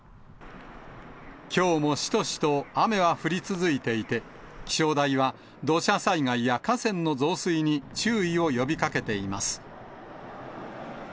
きょうもしとしと雨は降り続いていて、気象台は、土砂災害や河川の増水に注意を呼びかけています。